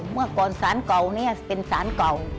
เมื่อก่อนสารเก่านี้เป็นสารเก่า